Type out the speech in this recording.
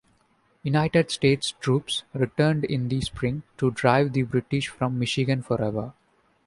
United States troops returned in the spring to drive the British from Michigan forever.